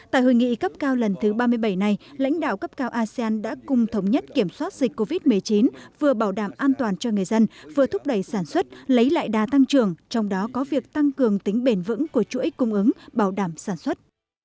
tại hội nghị cấp cao lần thứ ba mươi bảy này lãnh đạo cấp cao asean đã cùng thống nhất kiểm soát dịch covid một mươi chín vừa bảo đảm an toàn cho người dân vừa thúc đẩy sản xuất lấy lại đa tăng trưởng trong đó có việc tăng cường tính bền vững của chuỗi cung ứng bảo đảm sản xuất